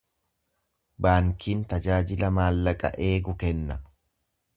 Baankiin tajaajila maallaqa eegu kenna.